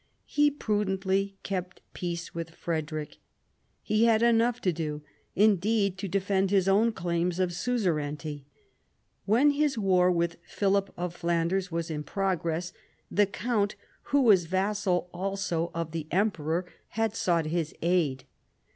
He prudently kept peace with Frederic. He had enough to do, indeed, to defend his own claims of suzerainty. When his war with Philip of Flanders was in progress, the count, who was vassal also of the emperor, had sought his aid.